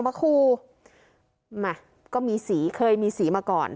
มาคูมาก็มีสีเคยมีสีมาก่อน